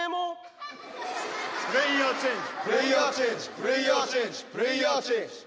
プレーヤーチェンジプレーヤーチェンジ。